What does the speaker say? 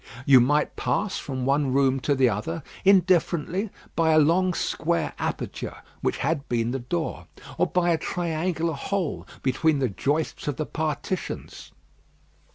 You might pass from one room to the other, indifferently, by a long square aperture which had been the door, or by a triangular hole between the joists of the partitions.